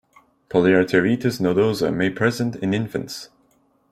Polyarteritis nodosa may present in infants.